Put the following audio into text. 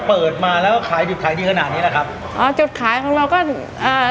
เปิดมาแล้วขายดิบขายดีขนาดนี้แหละครับอ๋อจุดขายของเราก็อ่า